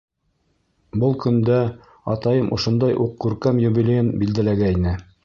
Был көндә атайым ошондай уҡ күркәм юбилейын билдәләгәйне.